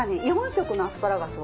４色のアスパラガス。